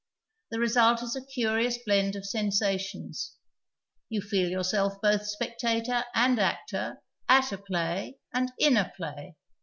The result is a curious blend of sensations ; you feel yourself both spectator and actor, at a i)lay and in a play.